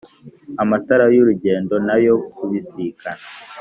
Amatara y’urugendo nayo kubisikana